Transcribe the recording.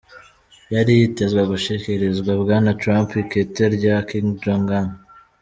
Yari yitezwe gushikiriza Bwana Trump ikete rya Kim Jong-un.